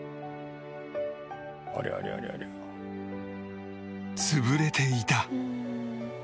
「ありゃりゃりゃりゃ」潰れていた